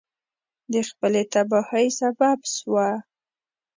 د خپلې تباهی سبب سوه.